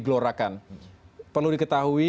gelorakan perlu diketahui